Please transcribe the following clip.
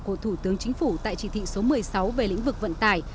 của thủ tướng chính phủ tại chỉ thị số một mươi sáu về lĩnh vực vận tải